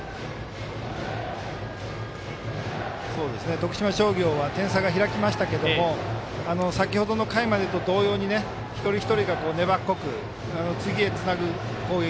徳島商業は点差が開きましたけども先程の回までと同様に一人一人が粘っこく次につなげる攻撃。